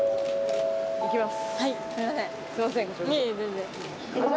いきます。